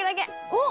おっ。